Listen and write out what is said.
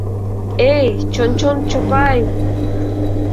Эй, чон-чон Чопай!